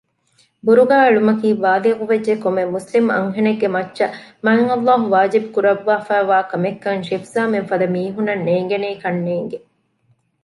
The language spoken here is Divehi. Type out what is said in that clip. ބުރުގާ އެޅުމަކީ ބާލިޣުވެއްޖެ ކޮންމެ މުސްލިމް އަންހެނެއްގެ މައްޗަށް މާތްﷲ ވާޖިބު ކުރައްވާފައިވާ ކަމެއްކަން ޝިފްޒާމެންފަދަ މީހުންނަށް ނޭނގެނީކަންނޭނގެ